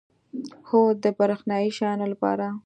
هو، د بریښنایی شیانو لپاره